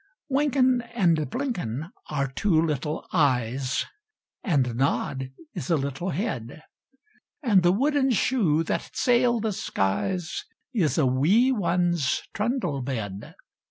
Wynken and Blynken are two little eyes, And Nod is a little head, And the wooden shoe that sailed the skies Is a wee one's trundle bed.